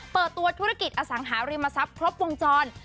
เปิดตัวธุรกิจอสังหาริมทรัพย์ครบวงจร